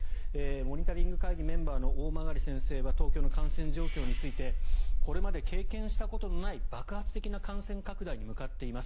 モニタリング会議のメンバーの大曲先生は東京の感染状況についてこれまで経験したことのない爆発的な感染拡大に向かっています